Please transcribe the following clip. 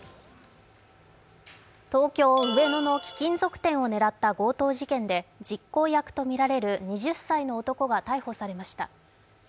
東京・上野の貴金属店を狙った強盗事件で実行役とみられる２０歳の男が逮捕されました。